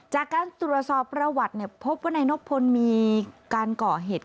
จากการตรวจสอบประวัติพบว่านายนบพลมีการก่อเหตุ